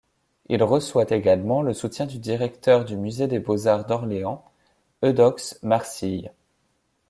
Il reçoit également le soutien du directeur du musée des beaux-arts d'Orléans, Eudoxe Marcille.